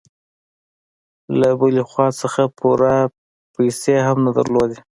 له بلې خوا هغه پوره پيسې هم نه درلودې.